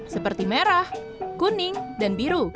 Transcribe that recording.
seperti merah kuning dan biru